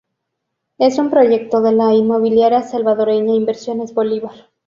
Es un proyecto de la Inmobiliaria Salvadoreña, Inversiones Bolívar.